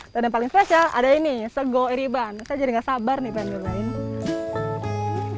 dan yang paling spesial ada ini sego iriban saya jadi tidak sabar nih pengen menjelainya